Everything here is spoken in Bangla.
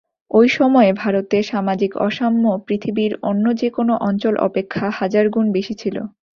ঐসময়ে ভারতে সামাজিক অসাম্য পৃথিবীর অন্য যে-কোন অঞ্চল অপেক্ষা হাজার গুণ বেশী ছিল।